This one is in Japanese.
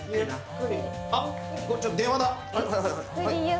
あっ電話だ。